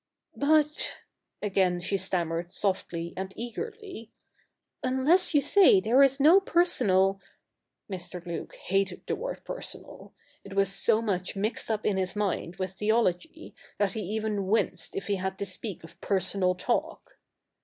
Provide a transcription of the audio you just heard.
' But,' again she stammered softly and eagerly, ' unless you say there is no personal ' Mr. Luke hated the word personal ; it was so much mixed up in his mind with theology, that he even winced if he had to speak of personal talk.